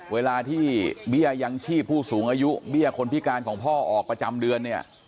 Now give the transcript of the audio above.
เวลาที่เบี้ยยังชีพผู้สูงอายุเบี้ยคนพิการของพ่อออกประจำเดือนเนี่ย